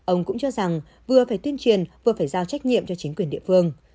ông cũng cho rằng vừa phải tuyên truyền vừa phải giao trách nhiệm cho chính quyền địa phương